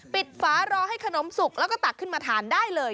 ฝารอให้ขนมสุกแล้วก็ตักขึ้นมาทานได้เลย